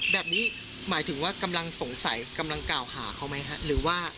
แบบนี้หมายถึงว่ากำลังสงสัยกำลังกล่าวหาเขาไหมฮะหรือว่า